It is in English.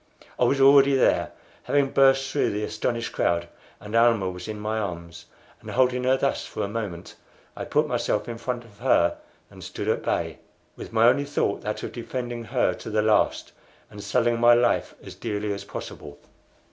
I was already there, having burst through the astonished crowd, and Almah was in my arms; and holding her thus for a moment, I put myself in front of her and stood at bay, with my only thought that of defending her to the last and selling my life as dearly as possible.